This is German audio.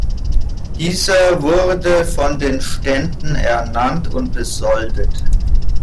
Dieser wurde von den Ständen ernannt und besoldet.